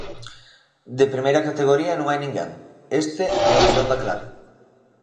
De primeira categoría non hai ninguén, este é o millón da clave.